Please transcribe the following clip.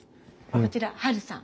こちらハルさん。